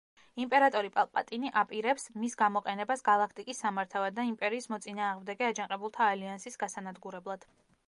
იმპერატორი პალპატინი აპირებს მის გამოყენებას გალაქტიკის სამართავად და იმპერიის მოწინააღმდეგე აჯანყებულთა ალიანსის გასანადგურებლად.